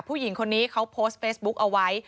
ผู้หญิงคนนี้เขาโพสต์เฟซบุ๊กเอาไว้